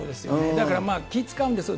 だからまあ、気つかうんですよ。